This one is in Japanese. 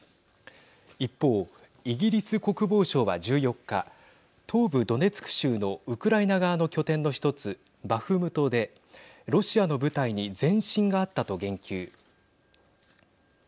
一方、イギリス国防省は１４日東部ドネツク州のウクライナ側の拠点の１つバフムトで、ロシアの部隊に前進があったと言及。